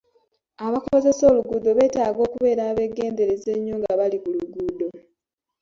Abakozesa oluguudo beetaaga okubeera abeegendereza ennyo nga bali ku luguudo.